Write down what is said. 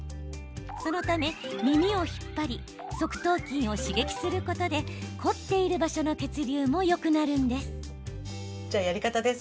そのため、耳を引っ張り側頭筋を刺激することで凝っている場所の血流もよくなるんです。